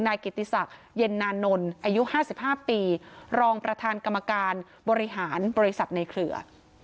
นายกิติศักดิ์เย็นนานนท์อายุ๕๕ปีรองประธานกรรมการบริหารบริษัทในเครือ